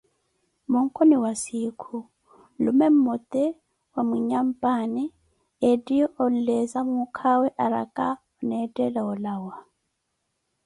Monkoni wa sikhu, nlume mmote wa mwinyapwaani ettiye onleeza muuka awe araka onettala olawa.